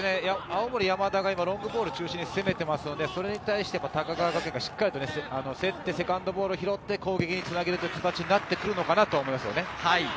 青森山田がロングボールを中心に攻めていますので、それに対して高川学園がしっかりと競って、セカンドボールを拾って、攻撃につなげるという形になってくるのかなと思います。